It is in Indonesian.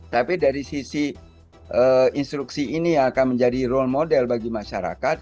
tapi dari sisi instruksi ini akan menjadi role model bagi masyarakat